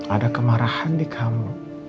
ada kemarahan di kamu